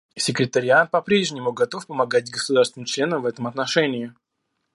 Секретариат по-прежнему готов помогать государствам-членам в этом отношении.